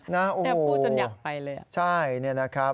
ได้พูดจนอยากไปเลยอ่ะโอ้โหใช่นี่นะครับ